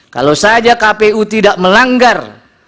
kalau saja kpu tidak melanggar